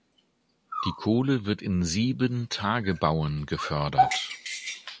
Die Kohle wird in sieben Tagebauen gefördert.